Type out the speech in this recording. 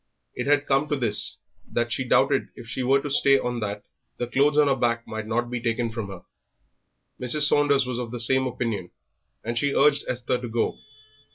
It had come to this, that she doubted if she were to stay on that the clothes on her back might not be taken from her. Mrs. Saunders was of the same opinion, and she urged Esther to go.